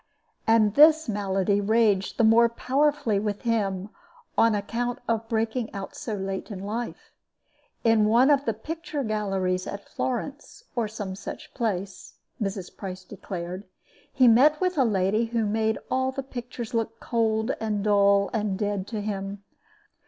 And this malady raged the more powerfully with him on account of breaking out so late in life. In one of the picture galleries at Florence, or some such place, Mrs. Price declared, he met with a lady who made all the pictures look cold and dull and dead to him.